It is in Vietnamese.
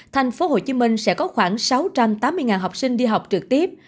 thành phố hồ chí minh sẽ có khoảng sáu trăm tám mươi học sinh đi học trực tiếp